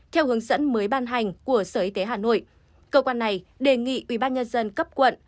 theo hướng dẫn mới ban hành của sở y tế hà nội cơ quan này đề nghị ubnd cấp quận